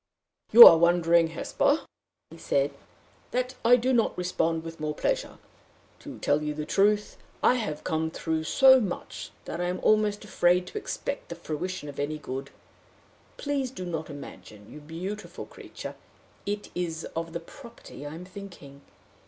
"You are wondering, Hesper," he said, "that I do not respond with more pleasure. To tell you the truth, I have come through so much that I am almost afraid to expect the fruition of any good. Please do not imagine, you beautiful creature! it is of the property I am thinking.